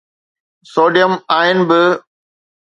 sodium ion ب